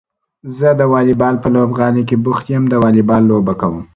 زه د واليبال په لوبغالي کې بوخت يم د واليبال لوبه کوم.